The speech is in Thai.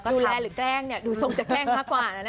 ดูแลหรือกลั้งดูจะตรงจากแกล้งมากกว่านะ